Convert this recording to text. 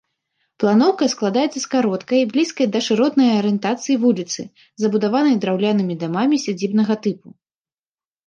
Планоўка складаецца з кароткай, блізкай да шыротнай арыентацыі вуліцы, забудаванай драўлянымі дамамі сядзібнага тыпу.